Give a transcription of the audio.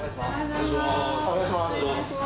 お願いします。